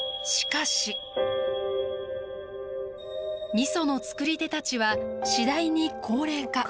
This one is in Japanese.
みそのつくり手たちは次第に高齢化。